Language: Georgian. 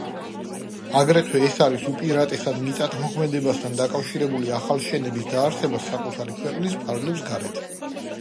აგრეთვე ეს არის უპირატესად მიწათმოქმედებასთან დაკავშირებული ახალშენების დაარსება საკუთარი ქვეყნის ფარგლებს გარეთ.